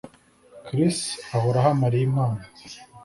Chris ahora aha Mariya impano